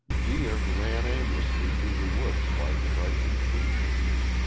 Deer ran aimlessly through the woods like frightened sheep.